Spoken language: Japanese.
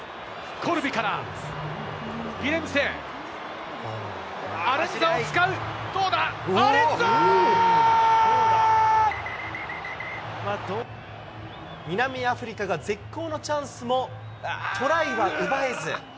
コルビから、を使う、南アフリカが絶好のチャンスも、トライは奪えず。